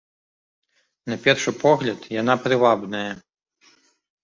На першы погляд, яна прывабная.